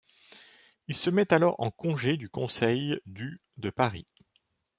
Il se met alors en congé du conseil du de Paris.